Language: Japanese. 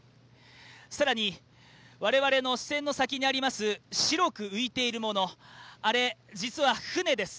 更に我々の視線の先にあります白く浮いているもの、あれ、実は船です。